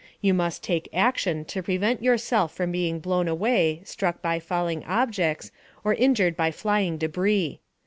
You must take action to protect yourself from being blown away, struck by falling objects, or injured by flying debris.